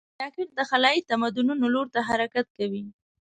راکټ د خلایي تمدنونو لور ته حرکت کوي